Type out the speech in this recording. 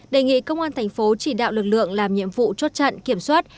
đề nghị công an thành phố chỉ đạo lực lượng làm nhiệm vụ chốt chặn kiểm soát